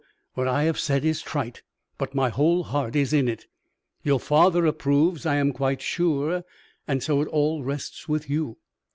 What I have said is trite, but my whole heart is in it. Your father approves, I am quite sure, and so it all rests with you."